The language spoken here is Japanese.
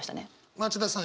町田さん